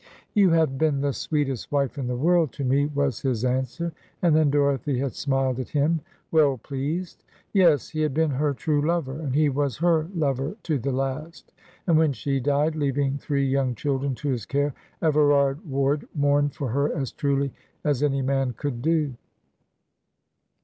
"You have been the sweetest wife in the world to me," was his answer; and then Dorothy had smiled at him well pleased. Yes, he had been her true lover, and he was her lover to the last; and when she died, leaving three young children to his care, Everard Ward mourned for her as truly as any man could do.